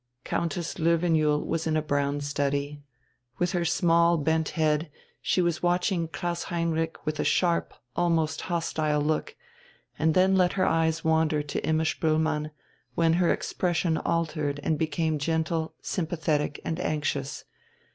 Countess Löwenjoul was in a brown study. With her small head bent, she was watching Klaus Heinrich with a sharp, almost hostile look, and then let her eyes wander to Imma Spoelmann, when her expression altered and became gentle, sympathetic, and anxious.